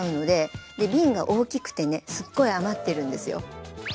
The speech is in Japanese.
で瓶が大きくてねすっごい余ってるんですよ。